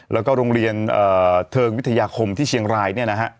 แล้วก็โรงเรียนเทิงวิทยาคมที่เชียงรายเนี่ยนะฮะ